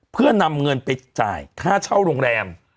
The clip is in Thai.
เพื่อนำเงินไปจ่ายค่าเช่าโรงแรม